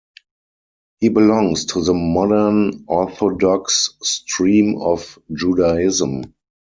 He belongs to the Modern Orthodox stream of Judaism.